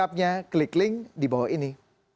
anda salah informasi